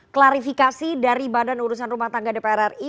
klarifikasi dari badan urusan rumah tangga dpr ri